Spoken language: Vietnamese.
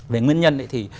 về nguyên nhân thì